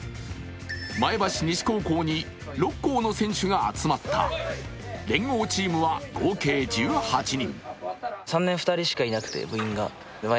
前橋西高校に６校の選手が集まった連合チームは合計１８人。